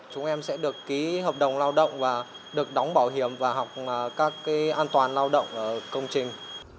chúng em sẽ được ký hợp đồng lao động và được đóng bảo hiểm và học các an toàn lao động ở công trình